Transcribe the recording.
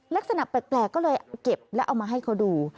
ลักษณะแปลกก็เลยเก็บแล้วเอามาให้เขาดู